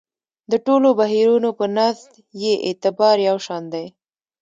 د ټولو بهیرونو په نزد یې اعتبار یو شان دی.